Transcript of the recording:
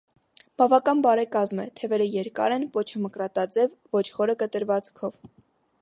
Բավական բարեկազմ է, թևերը երկար են, պոչը՝ մկրատաձև ոչ խորը կտրվածքով։